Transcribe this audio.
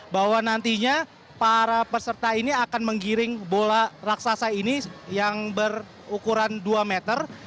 bahwa nantinya para peserta ini akan menggiring bola raksasa ini yang berukuran dua meter